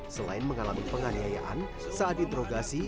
selain mengalami penganiayaan saat diinterogasi